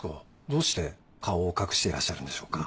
どうして顔を隠していらっしゃるんでしょうか？